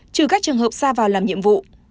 trừ các trường hợp xa vào làm nhiệm vụ